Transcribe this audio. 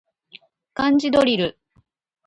漢字ドリル